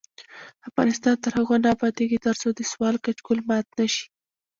افغانستان تر هغو نه ابادیږي، ترڅو د سوال کچکول مات نشي.